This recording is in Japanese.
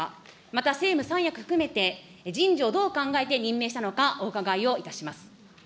また政務三役含めて、人事をどう考えて任命したのか、お伺いをいたします。